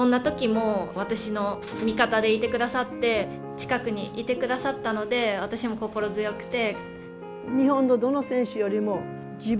近くにいてくださったので私も心強くて。